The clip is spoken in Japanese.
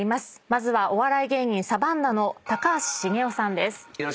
まずはお笑い芸人サバンナの高橋茂雄さんです。